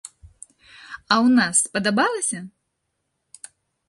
А ў нас спадабалася?